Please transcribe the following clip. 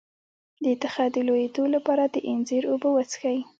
د تخه د لوییدو لپاره د انځر اوبه وڅښئ